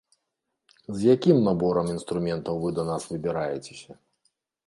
З якім наборам інструментаў вы да нас выбіраецеся?